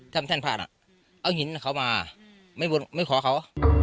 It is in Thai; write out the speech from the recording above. ทำแท่นพระนั่นเอาหินเขามาไม่ขอเขา